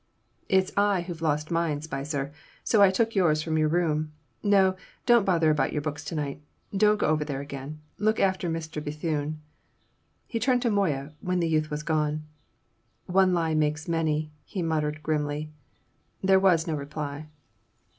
"It's I who've lost mine, Spicer, so I took yours from your room. No, don't bother about your books to night; don't go over there again. Look after Mr. Bethune." He turned to Moya when the youth was gone. "One lie makes many," he muttered grimly. There was no reply.